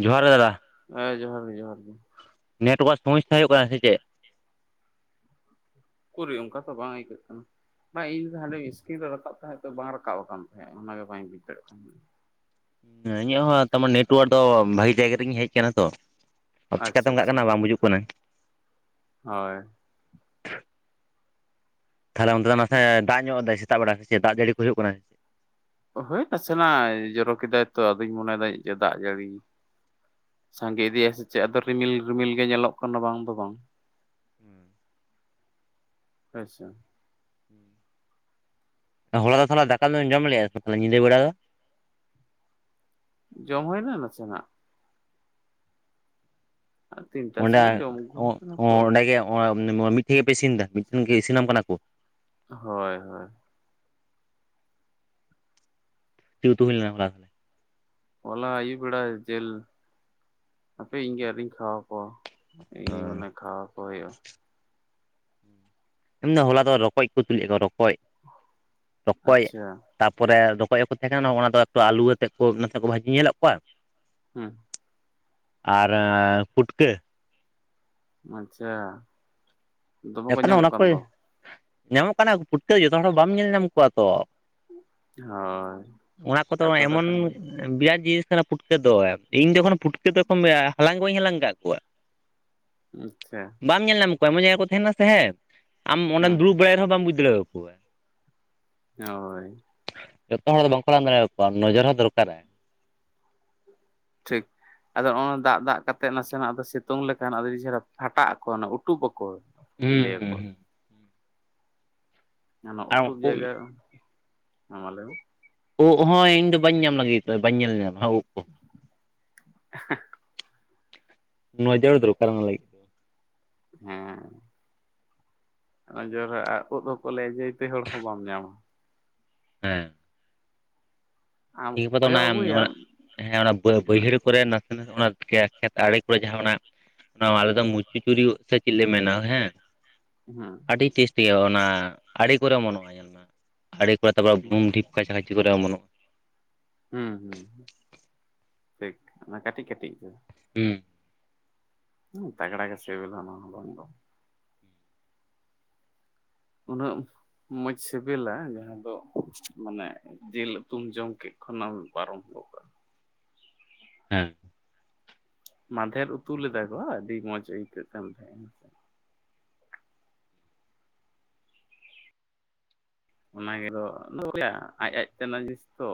ᱡᱚᱦᱟᱨ ᱜᱮ ᱫᱟᱫᱟ ᱦᱮᱸ ᱡᱚᱦᱟᱨ ᱜᱮ ᱡᱚᱦᱟᱨ ᱜᱮ ᱱᱮᱴᱣᱟᱨᱠ ᱥᱚᱢᱚᱥᱥᱟ ᱦᱩᱭᱩᱜ ᱠᱟᱱᱟ ᱥᱮ ᱪᱮᱫ ᱩᱠᱩᱨᱤᱡ ᱚᱝᱠᱟ ᱫᱚ ᱵᱟᱝ ᱟᱹᱭᱠᱟᱹᱜ ᱠᱟᱱᱟ ᱵᱟᱝ ᱤᱧ ᱦᱟᱸᱰᱮ ᱤᱥᱠᱤᱱ ᱨᱮ ᱨᱟᱠᱟᱵ ᱛᱟᱦᱮᱸᱫ ᱛᱚ ᱵᱟᱝ ᱨᱟᱠᱟᱵ ᱟᱠᱟᱤ ᱛᱟᱦᱮᱸᱫ ᱚᱱᱟᱜᱮ ᱵᱟᱹᱧ ᱵᱩᱡ ᱫᱟᱲᱮᱭᱟᱜ ᱛᱟᱦᱮᱸᱼᱟ ᱮᱸ ᱤᱧᱟᱹᱜ ᱦᱚᱸ ᱛᱟᱢᱟ ᱱᱮᱴᱚᱣᱟᱨᱠ ᱫᱚ ᱵᱷᱟᱜᱤ ᱡᱟᱭᱜᱟ ᱨᱮᱜᱤᱧ ᱦᱮᱡ ᱟᱠᱟᱱᱟ ᱛᱚ ᱟᱨ ᱪᱤᱠᱟᱛᱮ ᱟᱪᱪᱷᱟ ᱚᱱᱠᱟᱜ ᱟᱪᱪᱷᱟ ᱠᱟᱱᱟ ᱵᱟᱝ ᱵᱩᱡᱩᱜ ᱠᱟᱱᱟ ᱦᱳᱭ ᱛᱟᱦᱚᱞᱮ ᱚᱱᱛᱮ ᱫᱚ ᱱᱟᱥᱮ ᱫᱟᱜ ᱧᱚᱜ ᱮᱜᱼᱟᱭ ᱥᱮᱛᱟᱜ ᱵᱮᱲᱟ ᱥᱮ ᱪᱮᱫ ᱫᱟᱜ ᱡᱟᱹᱲᱤ ᱠᱚ ᱦᱩᱭᱩᱜ ᱠᱟᱱᱟ ᱪᱮᱫ? ᱦᱳᱭ ᱱᱟᱥᱮᱱᱟᱜ ᱡᱚᱨᱚ ᱠᱮᱫᱟᱭ ᱛᱚ ᱟᱫᱚᱧ ᱢᱚᱱᱮᱭ ᱫᱟᱹᱧ ᱫᱟᱜ ᱡᱟᱹᱲᱤ ᱥᱟᱸᱜᱮ ᱤᱫᱤᱭ ᱟ ᱥᱮ ᱪᱮᱫ ᱟᱫᱚ ᱨᱤᱢᱤᱞ ᱨᱤᱢᱤᱞ ᱜᱮ ᱧᱮᱞᱚᱜ ᱠᱟᱱᱟ ᱵᱟᱝ ᱫᱚ ᱵᱟᱝ [unintelligible] ᱟᱪᱪᱷᱟ ᱦᱚᱞᱟ ᱫᱚ ᱛᱟᱦᱚᱞᱮ ᱫᱟᱠᱟ ᱫᱚ ᱵᱤᱱ ᱡᱚᱢ ᱞᱮᱜᱼᱟ ᱛᱚ ᱧᱤᱫᱟᱹ ᱵᱮᱲᱟ ᱫᱚ ᱡᱚᱢ ᱦᱩᱭᱱᱟ ᱱᱟᱥᱮᱱᱟᱜ ᱛᱤᱱᱴᱟ ᱚᱸᱰᱮ ᱥᱚᱢᱚᱭ ᱡᱚᱢ ᱟᱹᱜᱩ ᱦᱩᱭ ᱠᱟᱱᱟ ᱛᱚ ᱚᱸᱰᱮ ᱜᱮ ᱢᱤᱫᱴᱷᱮᱱ ᱜᱮᱯᱮ ᱤᱥᱤᱱ ᱫᱟ ᱢᱤᱫᱴᱷᱮᱱ ᱜᱮ ᱤᱥᱤᱱᱟᱢ ᱠᱟᱱᱟ ᱠᱚ ᱦᱳᱭ ᱦᱳᱭ ᱪᱤᱫ ᱩᱛᱩ ᱦᱩᱭ ᱞᱮᱱᱟ ᱦᱚᱞᱟ ᱦᱚᱞᱟ ᱟᱭᱩᱵ ᱵᱮᱲᱟ ᱡᱤᱞ ᱦᱟᱯᱮ ᱤᱧ ᱜᱮ ᱟᱣᱨᱤᱧ ᱠᱷᱟᱣᱟᱣ ᱠᱚᱣᱟ ᱛᱤᱦᱤᱧ ᱢᱟᱱᱮ ᱠᱷᱟᱣᱟ ᱠᱚ ᱦᱩᱭᱩᱜᱼᱟ ᱤᱧ ᱫᱚ ᱦᱚᱞᱟ ᱫᱚ ᱨᱚᱠᱚᱡ ᱠᱚ ᱛᱩᱛᱩ ᱞᱮᱫ ᱠᱚᱣᱟ ᱨᱚᱠᱚᱡ, ᱨᱚᱠᱚᱡ, ᱟᱪᱪᱷᱟ ᱛᱟᱯᱚᱨᱮ ᱨᱚᱠᱚᱡᱚᱜ ᱦᱚᱠᱚ ᱛᱟᱦᱮᱸ ᱠᱟᱱᱟ ᱚᱱᱟ ᱫᱚ ᱮᱠᱴᱩ ᱟᱹᱞᱩ ᱟᱛᱮᱫ ᱠᱚ ᱱᱟᱥᱮ ᱠᱚ ᱵᱷᱟᱹᱡᱤ ᱧᱮᱞᱮᱫ ᱠᱚᱣᱟ, ᱦᱩᱸ ᱟᱨ ᱯᱩᱴᱠᱟᱹ ᱟᱪᱪᱷᱟ ᱫᱚᱢᱮ ᱮᱠᱷᱟᱱ ᱫᱚ ᱧᱟᱢᱚᱜ ᱚᱱᱟ ᱠᱚ ᱠᱟᱱ ᱧᱟᱢᱚᱜ ᱠᱟᱱᱟ ᱯᱷᱩᱴᱠᱟᱹ ᱡᱚᱛᱚ ᱦᱚᱲ ᱵᱟᱢ ᱧᱮᱞ ᱧᱟᱢ ᱠᱚᱣᱟ ᱛᱚ ᱦᱳᱭ ᱚᱱᱟ ᱠᱚᱫᱚ ᱠᱟᱛᱷᱟ ᱫᱚ ᱮᱢᱚᱱ ᱠᱟᱱ ᱜᱮᱭᱟ ᱵᱤᱨᱟᱴ ᱡᱤᱱᱤᱥ ᱠᱟᱱᱟ ᱯᱷᱩᱴᱠᱟᱹ ᱫᱚ ᱤᱧ ᱡᱚᱠᱷᱚᱱ ᱯᱷᱩᱴᱠᱟᱹ ᱫᱚᱠᱚ [inaudible] ᱦᱟᱞᱟᱝ ᱵᱟᱹᱧ ᱦᱟᱞᱟᱝ ᱟᱠᱟᱫ ᱠᱚᱣᱟ, ᱟᱪᱪᱷᱟ ᱵᱟᱢ ᱧᱮᱞ ᱧᱟᱢ ᱠᱚᱣᱟ ᱮᱢᱚᱱ ᱡᱟᱭᱜᱟ ᱠᱚ ᱛᱟᱦᱮᱱᱟ ᱥᱮ ᱦᱮᱸ᱾ ᱟᱢ ᱚᱸᱰᱮᱢ ᱦᱩᱸ ᱫᱩᱲᱩᱵ ᱵᱟᱲᱟᱭ ᱨᱮᱦᱚᱸ ᱵᱟᱢ ᱵᱩᱡᱽ ᱫᱟᱲᱮ ᱟᱠᱚᱣᱟ᱾ ᱦᱳᱭ᱾ ᱡᱚᱛᱚ ᱦᱚᱲ ᱫᱚ ᱵᱟᱝᱠᱚ ᱦᱟᱞᱟᱝ ᱫᱟᱲᱮᱭ ᱟᱠᱚᱣᱟ ᱱᱚᱡᱚᱨ ᱦᱚᱸ ᱫᱚᱨᱠᱟᱨᱟᱭ᱾ ᱴᱷᱤᱠ᱾ ᱟᱫᱚ ᱱᱚᱜᱼ ᱫᱟᱜ ᱫᱟᱜ ᱠᱟᱛᱮᱜ ᱱᱟᱥᱮᱱᱟᱜ ᱥᱤᱛᱩᱝ ᱞᱮᱠᱷᱟᱱ ᱟᱹᱰᱤ ᱪᱮᱦᱨᱟ ᱯᱷᱟᱴᱟᱜ ᱟᱠᱚ ᱩᱴᱩᱵ ᱟᱠᱚ᱾ ᱦᱩᱸ ᱞᱟᱹᱭᱟᱠᱚ ᱦᱩᱸ᱾ ᱚᱱᱟ ᱟᱨ ᱩᱴᱩᱵ ᱩᱫ ᱡᱟᱭᱜᱟ ᱮ, ᱢᱟ ᱞᱟᱹᱭ ᱢᱮ ᱳᱫ ᱦᱚᱸᱭ ᱤᱧ ᱫᱚ ᱵᱟᱹᱧ ᱧᱟᱢ ᱞᱟᱹᱜᱤᱫ ᱵᱟᱹᱧ ᱧᱮᱞ ᱧᱟᱢᱟ ᱩᱫ ᱠᱚ [inaudible] ᱱᱚᱡᱚᱨ ᱫᱚᱨᱠᱟᱨ ᱚᱱᱟ ᱞᱟᱹᱜᱤᱫ᱾ ᱫᱚ ᱦᱮᱸ ᱱᱚᱡᱚᱨᱟᱜ ᱩᱫ ᱦᱚᱸᱠᱚ ᱞᱟᱹᱭᱟ ᱡᱮᱛᱮ ᱦᱚᱲ ᱦᱚᱸ ᱵᱟᱢ ᱧᱟᱢᱟ᱾ ᱦᱮᱸ᱾ ᱟᱢ ᱠᱮ ᱠᱚᱫᱚ ᱠᱚᱭᱚᱜ ᱱᱟ ᱟᱹᱜᱩᱭᱟᱢ ᱚᱱᱟ ᱦᱮᱸ ᱚᱱᱟ ᱵᱟᱹ ᱦᱩᱸ ᱵᱟᱹᱭᱦᱟᱹᱲ ᱠᱚᱨᱮ ᱚᱱᱟ ᱠᱷᱮ ᱠᱷᱮᱛ ᱟᱲᱮ ᱠᱚᱨᱮ ᱡᱟᱦᱟᱸ ᱚᱱᱟ ᱱᱚᱣᱟ ᱨᱮᱫᱚ ᱢᱩᱪᱤ [unintelligible] ᱥᱮ ᱪᱮᱫ ᱞᱮ ᱢᱮᱱᱟ ᱦᱮᱸ᱾ ᱦᱮᱸ ᱟᱹᱰᱤ ᱴᱮᱥᱴ ᱜᱮ ᱚᱱᱟ ᱟᱲᱹᱮ ᱠᱚᱨᱮ ᱚᱢᱚᱱᱚᱜᱼᱟ ᱧᱮᱞ ᱢᱮ, ᱟᱲᱮ ᱠᱚᱨᱮ [unintelligible] ᱵᱩᱢ ᱰᱷᱤᱯ ᱠᱟᱪᱟᱷᱟ ᱪᱤ ᱠᱚᱨᱮ ᱚᱢᱚᱱᱚᱜᱼᱟ [unintelligible] ᱦᱩᱸ ᱦᱩᱸ, ᱴᱷᱤᱠ ᱚᱱᱟ ᱠᱟᱹᱴᱤᱡ ᱠᱟᱹᱴᱤᱡ ᱜᱮ᱾ ᱦᱩᱸ᱾ ᱦᱩᱸ ᱛᱟᱜᱲᱟ ᱜᱮ ᱥᱮᱵᱮᱞᱟ ᱱᱚᱣᱟ ᱦᱚ ᱵᱟᱝ ᱫᱚ᱾ ᱩᱱᱟᱹᱜ ᱢᱚᱡᱽ ᱥᱤᱵᱮᱞᱟ ᱡᱟᱦᱟᱸ ᱫᱚ ᱢᱟᱱᱮ ᱡᱤᱞ ᱩᱛᱩᱢ ᱡᱚᱢ ᱠᱮᱫ ᱠᱷᱚᱱᱟᱜ ᱯᱟᱨᱚᱢ ᱦᱩᱭᱩᱜ-ᱟ᱾ ᱦᱮᱸ ᱢᱟᱸᱫᱷᱮᱨ ᱩᱛᱩ ᱞᱮᱫᱟ ᱠᱚ ᱟᱹᱰᱤ ᱢᱚᱸᱡᱽ ᱟᱹᱭᱠᱟᱹᱜ ᱠᱟᱱ ᱛᱟᱦᱮᱸᱜ᱾ ᱚᱱᱟ ᱜᱮ ᱫᱚ ᱱᱚᱜ ᱚᱭ ᱟᱡ ᱟᱡ ᱛᱮ ᱱᱟᱜ ᱡᱤᱱᱤᱥ ᱛᱚ᱾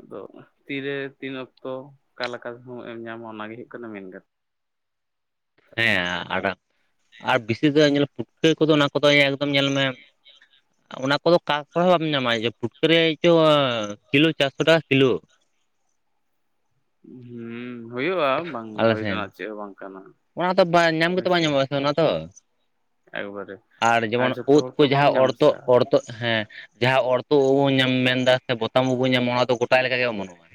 ᱟᱫᱚ ᱛᱤᱨᱮ, ᱛᱤᱱ ᱚᱠᱛᱚ, ᱚᱠᱟᱞᱮᱠᱟ ᱥᱚᱢᱚᱡ ᱮᱢ ᱧᱟᱢᱟ ᱚᱱᱟ ᱜᱮ ᱦᱳᱭᱳᱜ ᱠᱟᱱᱟ ᱢᱮᱱᱠᱟᱛ ᱦᱮᱸ ᱟᱨ ᱟᱨ ᱵᱮᱥᱤ ᱫᱚ ᱧᱮᱞ ᱯᱩᱴᱠᱟᱹ ᱠᱚᱫᱚ ᱚᱱᱟ ᱠᱚᱫᱚ ᱮᱠᱫᱚᱢ ᱧᱮᱞ ᱢᱮ ᱚᱱᱟ ᱠᱚᱫᱚ ᱚᱠᱟ ᱠᱚᱨᱮᱦᱚᱸ ᱵᱟᱢ ᱧᱟᱢᱟ ᱯᱷᱩᱴᱠᱟᱹ ᱨᱮᱭᱟᱜ ᱪᱚ ᱠᱤᱞᱳ ᱪᱟᱨᱥᱚ ᱴᱟᱠᱟ ᱠᱤᱞᱳ᱾ ᱦᱩᱸ ᱦᱩᱭᱩᱜᱼᱟ ᱵᱟᱝ ᱟᱞᱮ ᱦᱩᱭ ᱥᱮᱱ ᱨᱮᱱᱟᱜ ᱪᱮᱫ ᱦᱚᱸ ᱵᱟᱝ ᱠᱟᱱᱟ᱾ ᱚᱱᱟ ᱫᱚ ᱵᱟᱝ ᱧᱟᱢ ᱜᱮᱛᱚ ᱵᱟᱝ ᱦᱳᱭᱥᱮ ᱧᱟᱢᱚᱜᱼᱟ ᱥᱮ ᱚᱱᱟ ᱛᱚ᱾ ᱮᱠᱵᱟᱨᱮ ᱟᱨ ᱡᱮᱢᱚᱱ ᱡᱷᱚᱛᱚ ᱩᱫ ᱦᱚᱲ ᱛᱚ ᱠᱚ ᱵᱟᱢ ᱡᱟᱦᱟᱸ ᱧᱟᱢ ᱟᱥᱮ ᱚᱨᱛᱚᱜ ᱚᱨᱛᱚᱜ ᱦᱮᱸ, ᱡᱟᱦᱟᱸ ᱚᱨᱛᱚᱜ ᱵᱚᱱ ᱧᱟᱢ ᱢᱮᱱ ᱮᱫᱟ ᱥᱮ ᱵᱚᱛᱟᱢ ᱳᱫ ᱵᱚᱱ ᱧᱟᱢᱟ ᱚᱱᱟ ᱫᱚ ᱜᱚᱴᱟ ᱞᱮᱠᱟ ᱜᱮ ᱚᱢᱚᱱᱚᱜ-ᱟ᱾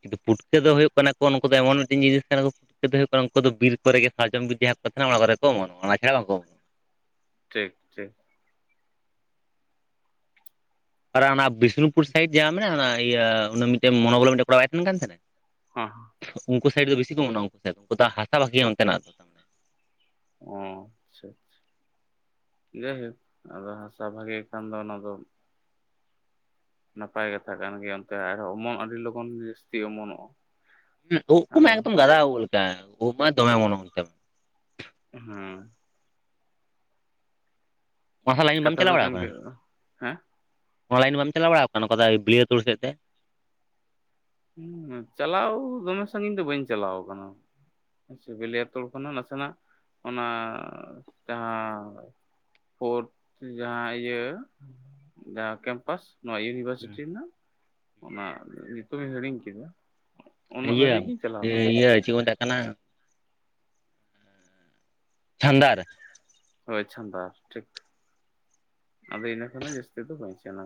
ᱠᱤᱱᱛᱩ ᱯᱩᱴᱠᱟᱹ ᱫᱚ ᱦᱩᱭᱩᱜ ᱠᱟᱱᱟ ᱠᱚ ᱩᱱᱠᱩ ᱫᱚ ᱮᱢᱚᱱ ᱢᱤᱫ ᱴᱤᱡ ᱡᱤᱱᱤᱥ ᱠᱟᱱᱟ ᱠᱚ ᱯᱩᱴᱠᱟᱹ ᱫᱚ ᱦᱩᱭᱩᱜ ᱠᱟᱱᱟ ᱩᱱᱠᱩ ᱫᱚ ᱵᱤᱨ ᱠᱚᱨᱮ ᱜᱮ ᱥᱟᱨᱡᱚᱢ ᱵᱤᱨ ᱡᱟᱦᱟᱸ ᱠᱚ ᱛᱟᱦᱮᱱᱟ ᱚᱱᱟ ᱠᱚᱨᱮ ᱠᱚ ᱚᱢᱚᱱᱚᱜᱼᱟ ᱚᱱᱟ ᱪᱷᱟᱲᱟ ᱵᱟᱝᱠᱚ ᱚᱢᱚᱟᱱᱼᱟ᱾ ᱴᱷᱤᱠ ᱴᱷᱤᱠ᱾ ᱟᱨ ᱚᱱᱟ ᱵᱤᱥᱱᱩᱯᱩᱨ ᱥᱟᱭᱤᱰ ᱡᱟᱦᱟᱸ ᱢᱮᱱᱟᱜᱼᱟ ᱚᱱᱟ ᱤᱭᱟᱹᱚᱱᱟ ᱢᱮᱫᱴᱮᱱ ᱢᱚᱱᱚᱵᱚᱞᱚ ᱢᱤᱫᱴᱮᱱ ᱠᱚᱲᱟ ᱵᱟᱭ ᱛᱟᱦᱮᱱ ᱠᱟᱱ ᱛᱟᱦᱮᱸᱱᱟ᱾ ᱦᱚᱸ ᱩᱱᱠᱩ ᱥᱟᱭᱤᱴ ᱫᱚ ᱵᱤᱥᱤ ᱚᱢᱚᱱᱚᱜᱼᱟ, ᱩᱱᱠᱩ ᱥᱟᱭᱤᱰ ᱩᱱᱠᱩ ᱫᱚ ᱦᱟᱥᱟ ᱵᱷᱟᱜᱤ ᱚᱱᱛᱮᱱᱟᱜ ᱫᱚ᱾ ᱛᱟᱨᱢᱟᱱᱮ ᱚ [unintelligible] ᱡᱟᱭ ᱦᱳᱠ ᱟᱫᱚ ᱦᱟᱥᱟ ᱵᱷᱟᱜᱮ ᱠᱷᱟᱱ ᱫᱚ ᱚᱱᱟ ᱫᱚ, ᱱᱟᱯᱟᱭ ᱠᱟᱛᱷᱟ ᱠᱟᱱ ᱜᱮᱭᱟ ᱚᱱᱛᱮ ᱟᱨᱦᱚᱸ ᱚᱢᱚᱱ ᱟᱹᱰᱤ ᱞᱚᱜᱚᱱ ᱡᱟᱹᱥᱛᱤ ᱚᱢᱚᱱᱚᱜᱼᱟ᱾ ᱦ ᱳᱜ ᱠᱚ ᱢᱟ ᱟᱫᱚ ᱮᱠᱫᱚᱢ ᱜᱟᱫᱟ ᱳᱜ ᱞᱮᱠᱟ ᱳᱜ ᱢᱟ ᱫᱚᱢᱮ ᱚᱢᱚᱱᱚᱜ ᱜᱮᱭᱟ᱾ ᱦᱮᱸ ᱚᱱᱟ ᱞᱟᱭᱤᱱ ᱵᱟᱢ ᱠᱟᱛᱷᱟ ᱫᱚᱠᱟᱱ ᱜᱮ ᱦᱮᱸ, ᱚᱞᱟᱭᱤᱱ ᱵᱟᱢ ᱪᱟᱞᱟᱣ ᱵᱟᱲᱟᱣ ᱟᱠᱟᱱᱟ ᱠᱟᱱᱟ ᱵᱤᱞᱭᱟᱹᱛᱳᱲ ᱥᱮᱫ ᱛᱮ? ᱩᱸ ᱪᱟᱞᱟᱣ ᱫᱚᱢᱮ ᱥᱟᱜᱤᱧ ᱫᱚ ᱵᱟᱹᱧ ᱪᱟᱞᱟᱣ ᱟᱠᱟᱱᱟ᱾ ᱵᱤᱞᱭᱟᱹᱛᱳᱲ ᱠᱷᱚᱱᱟᱜ ᱱᱟᱥᱮᱱᱟᱜ ᱚᱱᱟ ᱡᱟᱦᱟᱸ ᱯᱷᱳᱨᱛᱷ ᱡᱟᱦᱟᱸ ᱤᱭᱟᱹ ᱡᱟᱦᱟᱸ ᱠᱮᱢᱯᱟᱥ ᱱᱚᱣᱟ ᱤᱭᱩᱱᱤ ᱤᱭᱩᱱᱤᱵᱷᱟᱨᱥᱤᱴᱤ ᱨᱮᱱᱟᱜ ᱚᱱᱟ ᱧᱩᱛᱩᱢᱤᱧ ᱦᱤᱲᱤᱧ ᱠᱮᱫᱟ ᱩᱱᱟᱹᱜ ᱤᱭᱟᱹ ᱫᱷᱟᱹᱵᱤᱡ ᱜᱤᱧ ᱪᱟᱞᱟᱣ ᱟᱠᱟᱱᱟ ᱤᱭᱟᱹ ᱪᱮᱫ ᱠᱚ ᱢᱮᱛᱟᱜ ᱠᱟᱱᱟ ᱪᱟᱱᱫᱟᱨ ᱦᱳᱭ ᱪᱷᱟᱫᱟ ᱴᱷᱤᱠ ᱟᱫᱚ ᱤᱱᱟᱹ ᱠᱷᱟᱱ ᱫᱚ ᱡᱟᱹᱥᱛᱤ ᱫᱚ ᱵᱟᱹᱧ ᱥᱮ ᱟᱠᱟᱱᱟ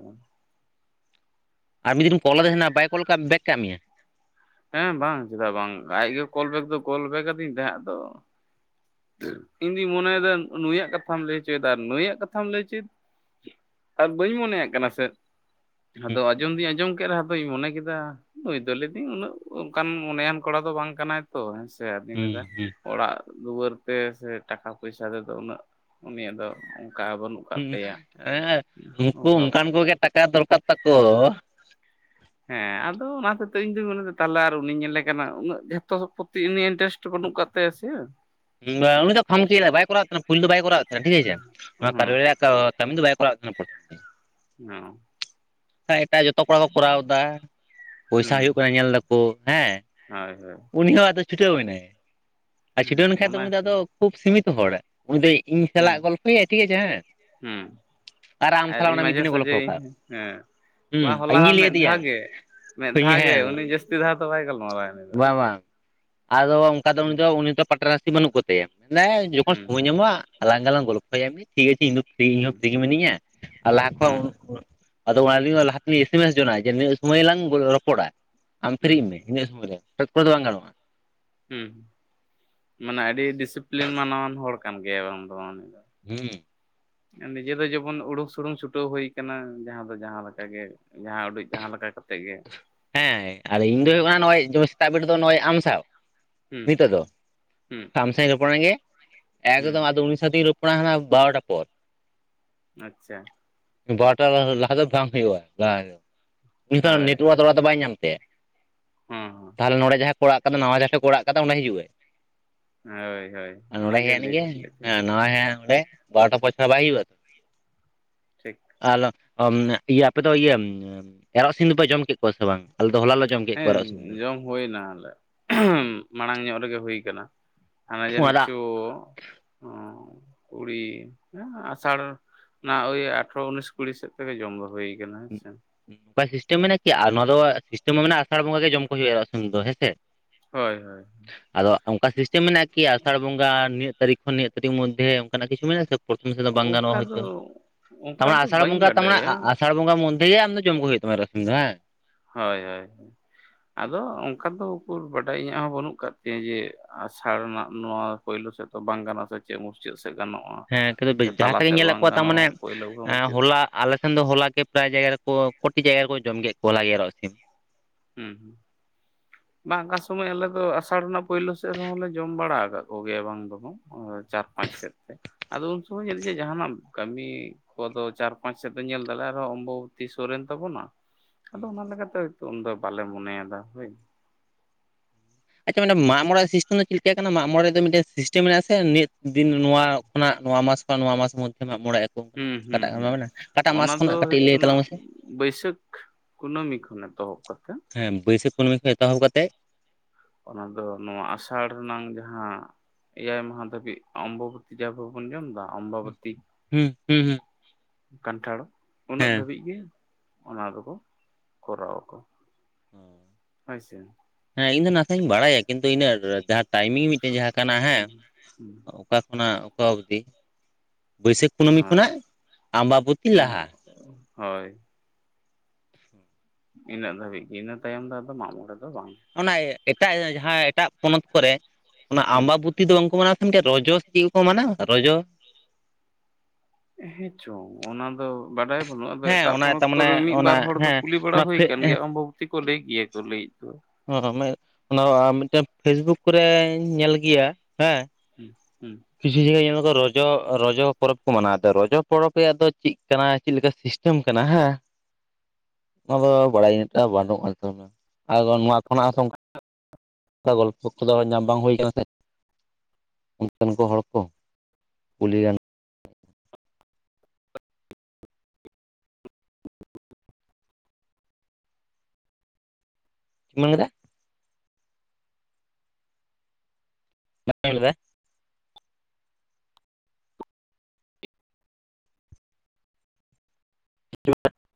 ᱟᱨ ᱢᱤᱫ ᱫᱤᱱ ᱠᱚᱞᱟᱫᱮ ᱛᱟᱦᱮᱸᱱᱟ ᱵᱟᱭ ᱠᱚᱞ ᱠᱟᱜ ᱵᱮᱜᱽ ᱠᱟᱜ ᱢᱮᱭᱟ ᱦᱮᱸ ᱵᱟᱝ ᱪᱮᱫᱟᱜ ᱵᱟᱝ ᱟᱡᱜᱮ ᱠᱚᱞ ᱵᱮᱠ ᱫᱚ ᱠᱚᱞ ᱵᱮᱠ ᱟᱹᱫᱤᱧ ᱛᱟᱦᱮᱸᱫ ᱟᱫᱚ ᱤᱧᱫᱩᱧ ᱢᱚᱱᱮᱭᱮᱫᱟ ᱱᱩᱭᱟᱜ ᱠᱟᱛᱷᱟᱢ ᱞᱟᱹᱭ ᱦᱚᱪᱚᱭᱮᱫᱟ ᱱᱩᱭᱟᱜ ᱠᱟᱛᱷᱟᱢ ᱞᱟᱹᱭ ᱦᱚᱪᱚᱭᱮᱫ ᱟᱨ ᱵᱟᱹᱧ ᱢᱚᱱᱮᱭᱟᱜ ᱠᱟᱱᱟ ᱥᱮ ᱦᱩᱸ ᱟᱫᱚ ᱟᱸᱡᱚᱢ ᱫᱩᱧ ᱟᱸᱡᱚᱢ ᱠᱮᱫ ᱨᱮᱦᱚᱸ ᱫᱚᱧ ᱢᱚᱱᱮ ᱠᱮᱫᱟ ᱱᱩᱭ ᱫᱚ ᱞᱟ. ᱭ ᱫᱤᱧ ᱩᱱᱟᱹᱜ ᱚᱱᱠᱟᱱ ᱢᱚᱱᱮᱭᱟᱱ ᱠᱚᱲᱟ ᱫᱚ ᱵᱟᱝ ᱠᱟᱱᱟᱭ ᱛᱚ ᱦᱮᱸᱥᱮ ᱟᱫᱚᱧ ᱞᱟ. ᱦᱩᱸ ᱭᱫᱟ ᱦᱩᱸ ᱚᱲᱟᱜ ᱫᱩᱣᱟᱹᱨ ᱛᱮ ᱥᱮ ᱴᱟᱠᱟ ᱯᱚᱭᱥᱟ ᱛᱮᱫᱚ ᱩᱱᱟᱹᱜ ᱩᱱᱤᱭᱟᱜ ᱫᱚ ᱚᱱᱠᱟ ᱵᱟᱹᱱᱩᱜ ᱩ ᱠᱟᱜ ᱛᱟᱭᱟ ᱮ ᱩᱱᱠᱩ ᱚᱵᱷᱟᱵ ᱚᱱᱠᱟᱱ ᱠᱚᱜᱮ ᱴᱟᱠᱟ ᱫᱚᱨᱠᱟᱨ ᱛᱟᱠᱚ ᱦᱮᱸ ᱟᱫᱚ ᱚᱱᱟᱦᱚᱛᱮᱡ ᱛᱮ ᱤᱧ ᱫᱚᱧ ᱢᱮᱱᱮ ᱞᱮᱫᱟ ᱛᱟᱦᱞᱮ ᱟᱨ ᱩᱱᱤᱧ ᱧᱮᱞ ᱞᱮ ᱜᱮ ᱱᱟᱜ ᱩᱱᱟᱹᱜ ᱡᱷᱚᱛᱚ ᱥᱟᱯᱚᱛᱤ ᱤᱱᱴᱟᱨᱮᱥ ᱵᱟᱹᱱᱩᱜ ᱠᱟᱜ ᱛᱟᱭᱟ ᱥᱮᱭᱟ ᱩᱱᱤ ᱫᱚ ᱯᱷᱟᱢ ᱪᱤᱭᱮᱫᱟᱭ ᱵᱟᱭ ᱠᱚᱨᱟᱣᱮᱫ ᱛᱟᱦᱮᱱᱟ ᱯᱩᱭᱞᱩ ᱫᱚ ᱵᱟᱭ ᱠᱚᱨᱟᱣᱮᱫ ᱛᱟᱦᱮᱱ ᱴᱷᱤᱠ ᱟᱪᱮ ᱚᱱᱟ ᱠᱟᱨᱭᱟ ᱛᱚ ᱠᱟᱹᱢᱤ ᱫᱚ ᱵᱟᱭ ᱠᱚᱨᱟᱣᱮᱫ ᱛᱟᱦᱮᱱᱟ [inaudible] ᱚᱸ ᱮᱴᱟᱜ ᱮᱴᱟᱜ ᱡᱚᱛᱚ ᱠᱚᱲᱟ ᱠᱚ ᱠᱚᱨᱟᱣ ᱫᱟ ᱯᱚᱭᱥᱟ ᱦᱩᱸ ᱦᱩᱭᱩᱜ ᱠᱟᱱᱟ ᱧᱮᱞ ᱫᱟ ᱠᱚ ᱦᱮᱸ ᱦᱳᱭ ᱦᱳᱭ ᱩᱱᱤ ᱦᱚᱸ ᱟᱫᱚ ᱪᱷᱩᱴᱟᱹᱣ ᱮᱱᱟᱭ ᱟᱨ ᱪᱷᱩᱴᱟᱹᱣ ᱦᱮᱸ ᱞᱮᱠᱷᱟᱱ ᱫᱚ ᱚᱱᱟ ᱩᱱᱤ ᱫᱚ ᱟᱫᱚ ᱦᱤᱥᱟᱹᱵ ᱠᱷᱩᱵ ᱥᱤᱢᱤᱛᱚ ᱦᱚᱲ ᱩᱱᱤ ᱫᱚ ᱤᱧ ᱦᱩᱸ ᱥᱟᱞᱟᱜ ᱜᱚᱞᱯᱚᱭᱟᱭ ᱴᱷᱤᱠ ᱟᱪᱮ ᱦᱮᱸ, ᱦᱩᱸ ᱟᱢ ᱟᱨ ᱥᱟᱞᱟᱜ ᱤᱧ ᱚᱱᱟ ᱢᱤᱫ ᱢᱟᱡᱷᱮ ᱫᱤᱱᱮ ᱜᱚᱞᱯᱷᱚ ᱥᱟᱡᱮᱧ ᱠᱟᱜ ᱦᱮᱸ ᱢᱟ ᱦᱩᱸ ᱦᱚᱞᱟ ᱤᱧᱤᱧ ᱦᱚᱸ ᱞᱟᱹᱭ ᱢᱤᱫ ᱟᱫᱮᱭᱟ ᱫᱷᱟᱣ ᱜᱮ ᱢᱮᱫ ᱫᱷᱟᱣ ᱜᱮ ᱦᱮᱸ ᱩᱱᱤ ᱡᱟᱹᱥᱛᱤ ᱫᱷᱟᱣ ᱫᱚ ᱵᱟᱭ ᱜᱟᱞᱢᱟᱨᱟᱣᱟ ᱩᱱᱤ ᱫᱚ ᱵᱟᱝ ᱵᱟᱝ ᱟᱫᱚ ᱚᱱᱠᱟ ᱫᱚ ᱩᱱᱤ ᱦᱩᱸ ᱫᱚ ᱩᱱᱤ ᱫᱚ ᱯᱟᱴᱨᱟᱥᱤ ᱵᱟᱹᱱᱩᱜ ᱠᱚ ᱛᱟᱭᱟ [inaudible] ᱡᱚᱠᱷᱚᱱ ᱦᱩᱸ ᱥᱚᱢᱚᱭ ᱧᱟᱢᱚᱜ-ᱟ ᱟᱞᱟᱝ ᱜᱮᱞᱟᱝ ᱜᱚᱞᱯᱚᱭᱟ ᱴᱷᱤᱠ ᱟᱪᱮ ᱤᱧ ᱫᱚ ᱯᱷᱨᱤ ᱦᱚᱸ ᱯᱷᱨᱤ ᱜᱮ ᱢᱤᱱᱟᱹᱧ-ᱟ ᱟᱨ ᱞᱟᱦᱟ ᱠᱷᱚ [inaudible] ᱦᱩᱸ ᱩᱱᱟᱹᱜ ᱟᱫᱚ ᱚᱱᱟᱞᱤᱭᱮ ᱢᱟ ᱞᱟᱦᱟ ᱛᱮᱞᱤᱧ ᱮᱥᱮᱢᱮᱥ ᱡᱚᱱᱟ ᱡᱮ ᱱᱤᱱᱟᱹᱜ ᱥᱚᱢᱚᱭ ᱞᱟᱝ ᱨᱚᱯᱚᱲᱟ ᱟᱢ ᱦᱩᱸ ᱯᱷᱨᱤᱜ ᱢᱮ ᱤᱱᱟᱹ ᱥᱚᱢᱚᱭ ᱨᱮ [inaudible] ᱠᱚᱨᱮ ᱫᱚ ᱵᱟᱝ ᱜᱟᱱᱚᱜᱼᱟ ᱩᱸ ᱢᱟᱱᱮ ᱟᱹᱰᱤ ᱰᱤᱥᱤᱯᱞᱤᱱ ᱢᱟᱱᱟᱣᱟᱱ ᱦᱚᱲ ᱠᱟᱱ ᱜᱮᱭᱟ ᱵᱟᱝ ᱫᱚ, ᱩᱸ ᱱᱤᱡᱮ ᱫᱚ ᱡᱮᱢᱚᱱ ᱩᱲᱩᱠ ᱥᱩᱲᱩᱝ ᱪᱷᱩᱴᱟᱹᱣ ᱦᱩᱭ ᱠᱟᱱᱟ ᱡᱟᱸᱦᱟ ᱫᱚ ᱡᱟᱸᱦᱟ ᱞᱮᱠᱟ ᱜᱮ ᱡᱟᱸᱦᱟ ᱩᱰᱤᱡ ᱡᱟᱸᱦᱟ ᱞᱮᱠᱟ ᱠᱟ ᱦᱮᱸ ᱟᱨ ᱤᱧ ᱫᱚ ᱦᱩᱭᱩᱜ ᱠᱟᱱᱟ ᱱᱚᱜᱼᱚᱭ ᱡᱮᱢᱚᱱ ᱥᱮᱛᱟᱜ ᱵᱮᱲᱟ ᱫᱚ ᱱᱚᱜᱼᱚᱭ ᱟᱢ ᱥᱟᱶ ᱦᱩᱸ ᱱᱤᱛᱚᱜ ᱫᱚ ᱦᱩᱸ ᱟᱢ ᱥᱟᱶ ᱤᱧ ᱨᱚᱯᱚᱲᱮᱱ ᱜᱮ ᱦᱩᱸ ᱮᱠᱫᱚᱢ ᱟᱫᱚ ᱩᱱᱤ ᱥᱟᱶᱛᱮᱧ ᱨᱚᱯ ᱚᱱᱟ ᱦᱟᱱᱟ ᱵᱟᱨᱚᱴᱟ ᱯᱚᱨ ᱟᱪᱪᱷᱟ ᱵᱟᱨᱳᱴᱟ ᱞᱟ ᱞᱟᱦᱟ ᱫᱚ ᱵᱟᱝ ᱦᱩᱭᱩᱜᱼᱟ ᱞᱟᱦᱟ ᱜᱮ ᱩᱱ ᱦᱳᱭ ᱱᱮᱴᱳᱣᱟ ᱛᱷᱚᱲᱟ ᱫᱚ ᱵᱟᱭ ᱧᱟᱢ ᱛᱟᱭᱟ, ᱦᱚᱸ ᱦᱚᱸ ᱛᱟᱦᱞᱮ ᱱᱚᱸᱰᱮ ᱡᱟᱦᱟᱸᱭ ᱠᱚ ᱚᱲᱟᱜ ᱠᱟᱫᱟ ᱱᱟᱣᱟ ᱡᱟᱦᱟᱸᱭ ᱠᱚ ᱚᱲᱟᱜ ᱠᱟᱫᱟ ᱚᱱᱟ ᱦᱤᱡᱩᱜ-ᱟ ᱦᱳᱭ ᱦᱳᱭ ᱱᱚᱰᱮ ᱚᱱᱟᱜᱮ ᱜᱮ ᱦᱤᱱᱤᱧ ᱞᱟᱹᱭᱮᱫ ᱜᱮ ᱛᱟᱦᱮᱸᱫ ᱱᱚᱜ-ᱚᱣ ᱚᱱᱸᱰᱮ ᱵᱟᱨᱚᱴᱟ ᱯᱚᱨ ᱪᱷᱟᱲᱟ ᱵᱟᱭ ᱦᱩᱭᱩᱜ-ᱟ ᱴᱷᱤᱠ ᱟᱞᱚ ᱚ ᱢᱟᱱᱮ ᱤᱭᱟᱹ ᱟᱯᱮ ᱫᱚ ᱤᱭᱟᱹ ᱮᱨᱚᱜ ᱥᱤᱢ ᱫᱚᱯᱮ ᱡᱚᱢ ᱠᱮᱫ ᱠᱚᱣᱟ ᱥᱮ ᱵᱟᱝ ᱟᱞᱮ ᱫᱚ ᱦᱚᱞᱟ ᱞᱮ ᱡᱚᱢ ᱠᱮᱫ ᱠᱚᱣᱟ ᱦᱮᱸ ᱮᱨᱚᱜ ᱥᱤᱢ ᱫᱚ ᱡᱚᱢ ᱦᱩᱭᱱᱟ ᱟᱞᱮ ᱢᱟᱲᱟᱝ ᱧᱚᱜ ᱨᱮᱜᱮ ᱦᱩᱭ ᱠᱟᱱᱟ ᱦᱟᱱᱮ ᱱᱚᱣᱟ ᱡᱟᱹᱱᱤᱡ ᱫᱚ ᱪᱚ [unintelligible] ᱠᱩᱲᱤ ᱱᱮ ᱟᱥᱟᱲ ᱱᱟᱜ ᱳᱭ ᱟᱴᱷᱨᱚ ᱩᱱᱤᱥ ᱠᱩᱲᱤ ᱥᱮᱫ ᱛᱮᱜᱮ ᱡᱚᱢ ᱫᱚ ᱦᱩᱭ ᱠᱟᱱᱟ ᱦᱮᱸ ᱥᱮ ᱵᱟ ᱥᱤᱥᱴᱮᱢ ᱢᱮᱱᱟᱜᱼᱟ ᱠᱤ ᱟᱨ ᱱᱚᱣᱟ ᱫᱚ ᱥᱤᱥᱴᱮᱢ ᱢᱮᱱᱟᱜᱼᱟ ᱟᱥᱟᱲ ᱵᱚᱸᱜᱟ ᱜᱮ ᱡᱚᱢ ᱠᱚ ᱦᱩᱭᱩᱜᱼᱟ ᱥᱤᱢ ᱫᱚ ᱦᱮᱸ ᱥᱮ ᱦᱳᱭ ᱦᱳᱭ ᱟᱫᱚ ᱚᱝᱠᱟ ᱥᱤᱥᱴᱮᱢ ᱢᱮᱱᱟᱜᱼᱟ ᱠᱤ ᱟᱥᱟᱲ ᱵᱚᱸᱜᱟ ᱱᱤᱭᱟᱹ ᱛᱟᱨᱤᱠᱷ ᱠᱷᱚᱱ ᱱᱤᱭᱟᱹ ᱛᱟᱹᱨᱤᱠᱷ ᱢᱚᱫᱽᱫᱷᱮ ᱚᱱᱠᱟᱱᱟᱜ ᱠᱤᱷᱩ ᱢᱮᱱᱟᱜᱼᱟ ᱥᱮ [inaudible] ᱥᱮᱫ ᱫᱚ ᱵᱟᱝ ᱜᱟᱱᱚᱜᱼᱟ ᱚᱱᱠᱟ ᱫᱚ ᱦᱚᱭᱛᱳ ᱛᱟᱨ ᱚᱱᱠᱟ ᱢᱟᱱᱮ ᱫᱚ ᱟᱥᱟᱲ ᱵᱟᱹᱧ ᱵᱚᱸᱜᱟ ᱛᱟᱢᱟᱱᱮ ᱵᱟᱰᱟᱭᱟ ᱟᱥᱟᱲ ᱵᱚᱸᱜᱟ ᱢᱚᱫᱽᱫᱷᱮ ᱜᱮ ᱟᱢ ᱫᱚ ᱡᱚᱢ ᱠᱚ ᱦᱩᱭᱩᱜ ᱛᱟᱢᱟ ᱮᱨᱚᱜ ᱥᱤᱢ ᱫᱚ ᱵᱟᱝ ᱦᱳᱭ ᱦᱳᱭ ᱟᱫᱚ ᱚᱱᱠᱟ ᱫᱚ ᱩᱠᱩᱨ ᱵᱟᱰᱟᱭ ᱤᱧᱟᱹᱜ ᱦᱚᱸ ᱵᱟᱹᱱᱩᱜ ᱠᱟᱫ ᱛᱤᱧ-ᱟ ᱡᱮ ᱟᱥᱟᱲ ᱱᱟᱜ ᱱᱚᱣᱟ ᱯᱳᱭᱞᱳ ᱥᱮᱫ ᱫᱚ ᱵᱟᱝ ᱜᱟᱱᱚᱜ ᱥᱮ ᱪᱮᱫ ᱢᱩᱪᱟᱹᱫ ᱥᱮᱫ ᱜᱟᱱᱚᱜ ᱦᱮᱸ ᱠᱤᱱᱛᱩ ᱡᱟᱸᱦᱟ ᱥᱮᱫ ᱜᱮᱧ ᱧᱮᱞᱮᱫ ᱠᱚᱣᱟ ᱛᱟᱨ ᱢᱟᱱᱮ ᱯᱳᱭᱞᱳ ᱜᱮ ᱮᱸ ᱢᱩᱪᱟᱹᱫ ᱦᱚᱞᱟ ᱟᱞᱮᱥᱱ ᱫᱚ ᱦᱚᱞᱟ ᱜᱮ ᱯᱨᱟᱭ ᱡᱟᱭᱜᱟ ᱨᱮ ᱠᱚ ᱠᱚᱴᱤ ᱡᱟᱭᱜᱟ ᱨᱮ ᱠᱚ ᱡᱚᱢ ᱠᱮᱫ ᱠᱚᱣᱟ ᱦᱚᱞᱟ ᱜᱮ ᱮᱨᱚᱜ ᱥᱤᱢ ᱦᱩᱸ ᱦᱩᱸ [inaudible] ᱵᱟᱝ ᱚᱠᱟ ᱥᱚᱢᱚᱭ ᱟᱞᱮ ᱫᱚ ᱟᱥᱟᱲ ᱨᱮᱱᱟᱜ ᱯᱳᱭᱞᱳ ᱥᱮᱫ ᱨᱮᱦᱚᱸᱞᱮ ᱡᱚᱢ ᱵᱟᱲᱟ ᱟᱠᱟᱫ ᱠᱚ ᱜᱮᱭᱟ ᱵᱟᱝ ᱫᱚ ᱵᱟᱝ ᱪᱟᱨ ᱯᱟᱸᱪ ᱥᱮᱫ ᱛᱮ ᱟᱫᱚ ᱩᱱᱠᱩ ᱦᱚᱸ ᱡᱟᱱᱤᱡ ᱡᱮ ᱡᱟᱦᱟᱱᱟ ᱠᱟᱹᱢᱤ᱾ ᱠᱚ ᱫᱚ ᱪᱟᱨ ᱯᱟᱸᱪ ᱥᱮᱫ ᱫᱚ ᱧᱮᱞ ᱫᱟᱲᱮᱭᱟᱜ ᱨᱮᱦᱚᱸ ᱚᱢᱵᱚᱵᱚᱛᱤ ᱥᱩᱨᱮᱱ ᱛᱟᱵᱚᱱᱟ ᱦᱩᱸ ᱟᱫᱚ ᱚᱱᱟ ᱞᱮᱜᱟᱛ ᱛᱮ ᱦᱚᱭ ᱛᱚ ᱩᱱᱫᱚ ᱵᱟᱞᱮ ᱢᱚᱱᱮᱭᱫᱟ ᱦᱳᱭ ᱟᱪᱪᱷᱟ ᱢᱟᱱᱮ ᱢᱟᱜ ᱢᱚᱬᱮ ᱥᱤᱥᱴᱮᱢ ᱫᱚ ᱪᱮᱫ ᱞᱮᱠᱟ ᱠᱟᱱᱟ ᱢᱟᱜ ᱢᱚᱲᱮ ᱨᱮ ᱫᱚ ᱢᱤᱫᱴᱮᱱ ᱥᱤᱥᱴᱮᱢ ᱢᱮᱱᱟᱜᱼᱟ ᱥᱮ ᱫᱤᱱ ᱱᱚᱣᱟ ᱠᱷᱚᱱᱟᱜ ᱱᱚᱣᱟ ᱢᱟᱥ ᱠᱷᱚᱱ ᱱᱚᱣᱟ ᱢᱟᱥ ᱢᱚᱫᱫᱷᱮ ᱢᱟᱜ ᱢᱚᱬᱮ ᱟᱠᱚ ᱚᱱᱠᱟᱱᱟᱜ ᱦᱩᱸ ᱦᱩᱸ ᱚᱠᱟᱴᱟᱜ ᱦᱩᱸ ᱢᱮᱱᱟ ᱚᱠᱟᱴᱟᱜ ᱢᱟᱥ ᱚᱱᱟ ᱫᱚ ᱠᱷᱚᱱᱟᱜ ᱠᱟᱹᱴᱤᱡ ᱦᱩᱭᱩᱜ ᱞᱟᱹᱭ ᱠᱟᱱᱟ ᱛᱟᱞᱟᱝ ᱢᱮᱥᱮ ᱵᱟᱹᱭᱥᱟᱹᱠᱷ ᱠᱩᱱᱟᱹᱢᱤ ᱠᱷᱚᱱ ᱮᱛᱚᱦᱚᱵ ᱠᱟᱛᱮᱫ ᱦᱮᱸ ᱵᱟᱹᱭᱥᱟᱹᱠᱷ ᱠᱩᱱᱟᱹᱢᱤ ᱠᱷᱚᱱ ᱮᱛᱚᱦᱚᱵ ᱠᱟᱛᱮᱫ ᱚᱱᱟ ᱫᱚ ᱱᱚᱣᱟ ᱟᱥᱟᱲ ᱨᱮᱱᱟᱝ ᱡᱟᱦᱟᱸ ᱮᱭᱟᱭ ᱢᱟᱦᱟ ᱫᱷᱟᱹᱵᱤᱡ ᱚᱢᱵᱚᱵᱚᱛᱤ ᱛᱤᱡᱟ ᱵᱟᱵᱚᱱ ᱡᱚᱢᱮᱫᱟ ᱟᱢᱵᱟᱵᱟᱹᱛᱤ ᱦᱩᱸ ᱦᱩᱸ ᱦᱩᱸ ᱠᱟᱱᱴᱷᱟᱲ ᱩᱱᱟᱹᱜ ᱦᱮᱸ ᱫᱷᱟᱹᱵᱤᱡ ᱜᱮ ᱚᱱᱟ ᱫᱚᱠᱚ ᱠᱚᱨᱟᱣ ᱟᱠᱚ ᱦᱳᱭ ᱥᱮ ᱦᱮᱸ ᱤᱧ ᱫᱚ ᱱᱟᱥᱮᱧ ᱵᱟᱲᱟᱭᱟ ᱠᱤᱱᱛᱩ ᱤᱱᱟ ᱴᱟᱭᱢᱤᱝ ᱢᱤᱫᱴᱮᱱ ᱡᱟᱦᱟᱸ ᱠᱟᱱᱟ ᱦᱮᱸ ᱦᱳᱭ ᱚᱠᱟ ᱠᱷᱚᱱᱟᱜ ᱚᱠᱟ ᱚᱵᱫᱤ ᱵᱟᱹᱭᱥᱟᱹᱠᱷ ᱠᱩᱱᱟᱹᱢᱤ ᱠᱷᱚᱱᱟᱜ ᱟᱢᱵᱟᱵᱚᱛᱤ ᱞᱟᱦᱟ ᱦᱚᱭ [inaudible] ᱤᱱᱟᱹᱜ ᱫᱷᱟᱹᱵᱤᱡ ᱜᱮ ᱤᱱᱟᱹ ᱛᱟᱭᱚᱢ ᱫᱚ ᱟᱫᱚ ᱢᱟᱜ ᱢᱚᱲᱬᱮ ᱫᱚ ᱵᱟᱝ ᱚᱱᱟ ᱮᱴᱟᱜ ᱡᱟᱦᱟᱸ ᱮᱴᱟᱜ ᱯᱚᱱᱚᱛ ᱠᱚᱨᱮ ᱚᱱᱟ ᱦᱩᱸ ᱟᱢᱵᱟᱵᱚᱛᱤ ᱛᱤ ᱫᱚ ᱵᱟᱝ ᱠᱚ ᱢᱟᱱᱟᱣᱟ ᱠᱷᱟᱱ ᱜᱮ ᱨᱚᱡᱚ ᱥᱮ ᱪᱮᱫ ᱠᱚ ᱢᱟᱱᱟᱣᱟ ᱨᱚᱡᱚ ᱦᱮᱸ ᱪᱚᱝ ᱚᱱᱟ ᱫᱚ ᱵᱟᱰᱟᱭ ᱱᱚᱣᱟ ᱫᱚ ᱦᱮᱸ ᱮᱴᱟᱜ ᱚᱱᱟ ᱯᱚᱱᱚᱛ ᱛᱟᱨᱢᱟᱱᱮ ᱠᱚᱨᱮ ᱢᱤᱫ ᱚᱱᱟ ᱵᱟᱨ ᱦᱚᱲ ᱫᱚ ᱦᱮᱸ ᱠᱩᱞᱤ ᱵᱟᱲᱟ ᱦᱩᱭ ᱟᱠᱟᱱ ᱜᱮᱭᱟ ᱚᱢᱵᱚᱵᱚᱛᱤ ᱛᱤ ᱠᱚ ᱞᱟᱹᱭ ᱜᱮᱭᱟ ᱠᱚ ᱞᱟᱹᱭᱮᱫ ᱫᱚ ᱚᱱᱟ ᱢᱤᱫᱴᱮᱱ ᱯᱷᱮᱥᱵᱩᱠ ᱠᱚᱨᱮᱧ ᱧᱮᱞ ᱜᱮᱭᱟ ᱦᱮᱸ ᱦᱩᱸ ᱦᱩᱸ ᱠᱤᱪᱷᱩ ᱡᱟᱭᱜᱟ ᱧᱮᱞ ᱠᱚ ᱨᱚᱡᱚ ᱨᱚᱡᱚ ᱯᱚᱨᱚᱵ ᱠᱚ ᱢᱟᱱᱟᱣ ᱮᱫᱟ ᱨᱚᱡᱚ ᱯᱚᱨᱚᱵᱽ ᱨᱮᱭᱟᱜ ᱫᱚ ᱪᱮᱫ ᱠᱟᱱᱟ ᱪᱮᱫᱞᱮᱠᱟ ᱥᱤᱥᱴᱮᱢ ᱥᱤᱥᱴᱮᱢ ᱠᱟᱱᱟ ᱦᱮᱸ ᱚᱱᱟ ᱫᱚ ᱵᱟᱲᱟᱭ ᱵᱟᱹᱱᱩᱜᱼᱟ ᱟᱫᱚ ᱱᱚᱣᱟ ᱠᱷᱚᱱᱟᱜ ᱦᱚᱸᱛᱚ ᱜᱚᱞᱯᱚ ᱠᱚᱫᱚ ᱧᱟᱢ ᱵᱟᱝ ᱦᱩᱭ ᱠᱟᱱᱟ ᱥᱮ ᱩᱱᱠᱚ ᱠᱚ ᱦᱚᱲ ᱠᱚ ᱠᱩᱞᱤ ᱜᱟᱱ [unintelligible] ᱪᱮᱫ ᱢᱮᱱ ᱠᱮᱫᱟ ᱵᱟᱢ ᱟᱡᱚᱢ ᱞᱮᱫᱟ [unintelligible]